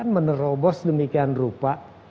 menerobos demikian rupa